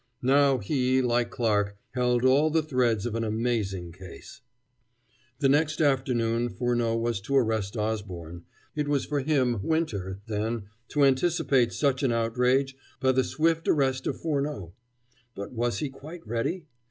Now he, like Clarke, held all the threads of an amazing case. The next afternoon Furneaux was to arrest Osborne it was for him, Winter, then, to anticipate such an outrage by the swift arrest of Furneaux. But was he quite ready?